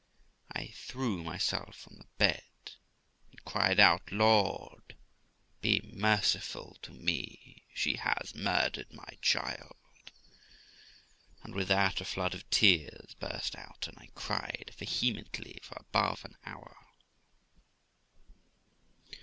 I threw myself on the bed, and cried out, 'Lord, be merciful to me, she has murdered my child !'; and with that a flood of tears burst out, and I cried vehemently for above an hour.